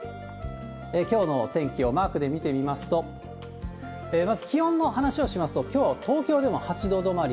きょうの天気をマークで見てみますと、まず気温の話をしますと、きょう、東京でも８度止まり。